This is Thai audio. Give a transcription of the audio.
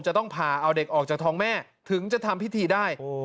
จะต้องผ่าเอาเด็กออกจากท้องแม่ถึงจะทำพิธีได้